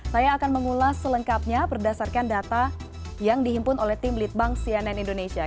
saya akan mengulas selengkapnya berdasarkan data yang dihimpun oleh tim litbang cnn indonesia